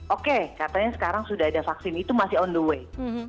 oke katanya sekarang sudah ada vaksin itu masih on the way